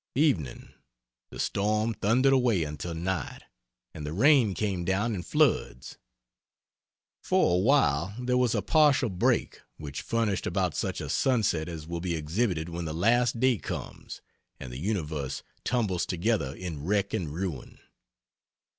Evening. The storm thundered away until night, and the rain came down in floods. For awhile there was a partial break, which furnished about such a sunset as will be exhibited when the Last Day comes and the universe tumbles together in wreck and ruin.